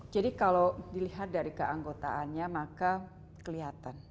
jadi kalau dilihat dari keanggotaannya maka kelihatan